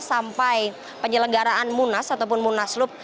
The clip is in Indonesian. sampai penyelenggaraan munas ataupun munaslup